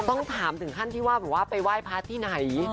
ต้องถามถึงขั้นที่ว่าไปไหว้พาร์ทที่ไหน